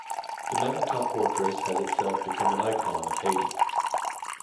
The mountaintop fortress has itself become an icon of Haiti.